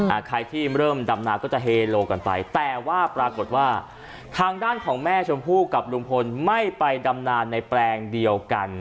ใครที่เริ่มดำนาก็จะเฮโลกันไปแต่ว่าปรากฏว่าทางด้านของแม่ชมพู่กับลุงพลไม่ไปดำนานในแปลงเดียวกัน